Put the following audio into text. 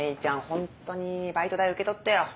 ホントにバイト代受け取ってよ。